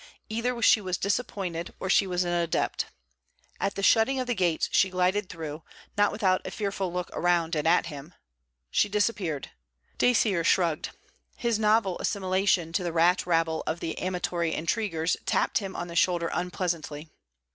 Either she was disappointed or she was an adept. At the shutting of the gates she glided through, not without a fearful look around and at him. She disappeared. Dacier shrugged. His novel assimilation to the rat rabble of amatory intriguers tapped him on the shoulder unpleasantly.